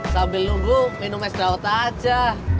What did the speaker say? sambil nunggu minum es dawet aja